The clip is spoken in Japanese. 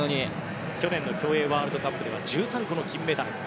去年の競泳ワールドカップでは１３個の金メダル。